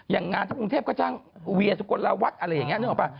อย่างงานที่ปรุงเทพก็จ้างเวียสุโกนลวัตน์อะไรอย่างนี้นึกออกปะ